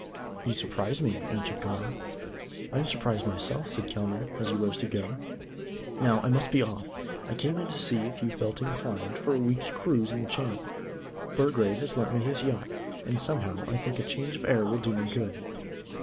"You surprise me," answered Carne. "I am surprised myself," said Kelmare, as he rose to go. "Now, I must be off. I came in to see if you felt inclined for a week's cruise in the Channel. Burgrave has lent me his yacht, and somehow I think a change of air will do me good."